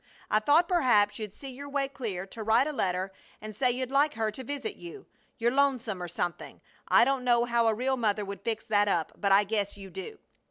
I thought perhaps you'd see your way clear to write a letter and say you'd like her to visit you you're lonesome or Something. I don't know how a real mother would fix that up, but I guess you do.